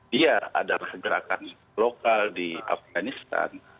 dia adalah gerakan lokal di afganistan